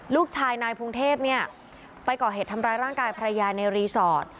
ลูกชายนายพงเทพเนี่ยไปก่อเหตุทำร้ายร่างกายภรรยาในรีสอร์ท